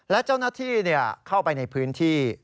และเจ้าหน้าที่เข้าไปในพื้นที่